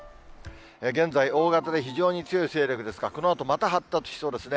現在、大型で非常に強い勢力ですが、このあとまた発達しそうですね。